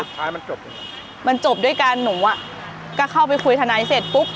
ผู้ชายมันจบด้วยมั้ยมันจบด้วยการหนูก็เข้าไปคุยธนัยเสร็จปุ๊บ